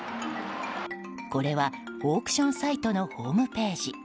これは、オークションサイトの出品ページ。